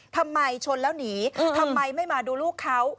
ทำไมชนแล้วหนีทำไมไม่มาดูลูกเขา